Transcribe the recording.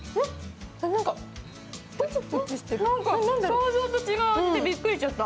想像と違う味でびっくりしちゃった。